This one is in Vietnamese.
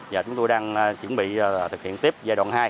và chúng tôi đang chuẩn bị thực hiện tiếp giai đoạn hai